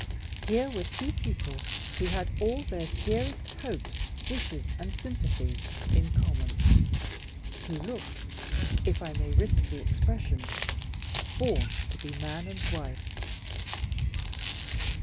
Here were two people who had all their dearest hopes, wishes, and sympathies in common who looked, if I may risk the expression, born to be man and wife.